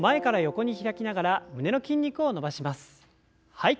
はい。